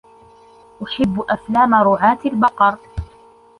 أحب أفلام رعاة البقر